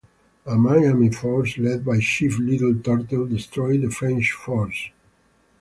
A Miami force led by Chief Little Turtle destroyed the French force.